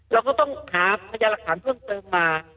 เราก็ต้องหาพยารถศาสนถือมมา